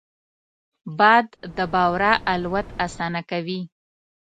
باد د بورا الوت اسانه کوي